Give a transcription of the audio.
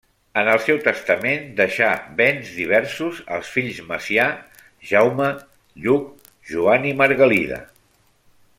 En el seu testament deixà béns diversos als fills Macià, Jaume, Lluc, Joan i Margalida.